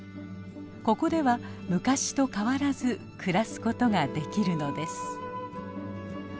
ここでは昔と変わらず暮らすことができるのです。